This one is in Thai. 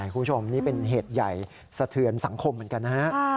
คุณผู้ชมนี่เป็นเหตุใหญ่สะเทือนสังคมเหมือนกันนะฮะ